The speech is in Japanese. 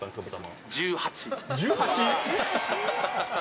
１８！？